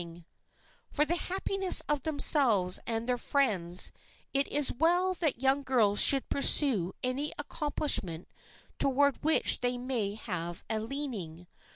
[Sidenote: THOROUGHNESS NECESSARY] For the happiness of themselves and their friends, it is well that young girls should pursue any accomplishment toward which they may have a leaning.